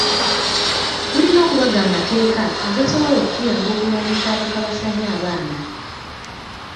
Tulina okubaga amateeka agasobola okutuyamba okulwanyisa abakabasanya abaana.